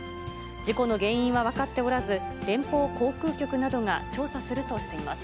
事故の原因は分かっておらず、連邦航空局などが調査するとしています。